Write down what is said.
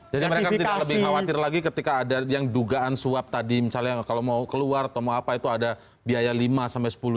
jadi mereka tidak lebih khawatir lagi ketika ada yang dugaan suap tadi misalnya kalau mau keluar atau mau apa itu ada biaya lima sepuluh juta